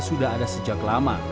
sudah ada sejak lama